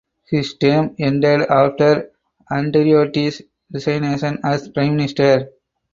His term ended after Andreotti’s resignation as Prime Minister.